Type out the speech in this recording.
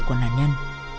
của nạn nhân